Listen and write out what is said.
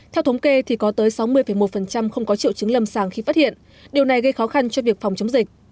theo thống kê thì có tới sáu mươi một không có triệu chứng lâm sàng khi phát hiện điều này gây khó khăn cho việc phòng chống dịch